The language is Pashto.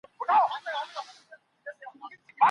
د سلطنت په کلونو کې چاپېریال نسبتاً پرانیستی و.